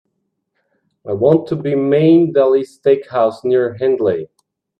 I want to be Main Deli Steak House near Hendley.